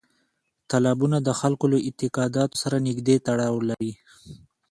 تالابونه د خلکو له اعتقاداتو سره نږدې تړاو لري.